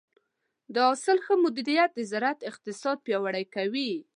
د حاصل ښه مدیریت د زراعت اقتصاد پیاوړی کوي.